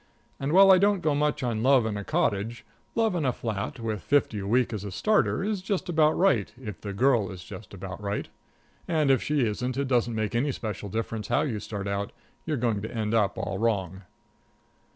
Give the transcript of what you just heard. And while I don't go much on love in a cottage, love in a flat, with fifty a week as a starter, is just about right, if the girl is just about right. If she isn't, it doesn't make any special difference how you start out, you're going to end up all wrong.